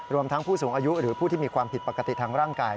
รวมทั้งผู้สูงอายุหรือผู้ที่มีความผิดปกติทางร่างกาย